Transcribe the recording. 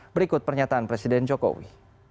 berikut pernyataan presiden jokowi